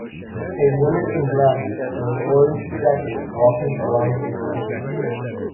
A woman in glasses and an orange jacket walking along a wilderness trail.